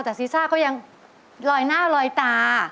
แต่ซีซ่าก็ยังลอยหน้าลอยตา